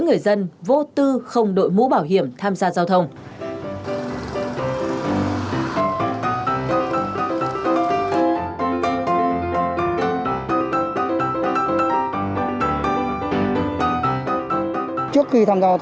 người không đội mũ bảo hiểm là rất ít